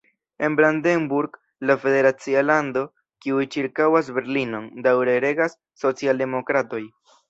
En Brandenburg, la federacia lando, kiu ĉirkaŭas Berlinon, daŭre regas socialdemokratoj.